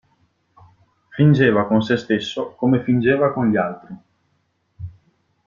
Fingeva con sé stesso, come fingeva con gli altri.